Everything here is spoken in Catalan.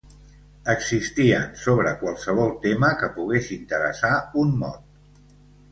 Existien sobre qualssevol tema que pogués interessar un mod.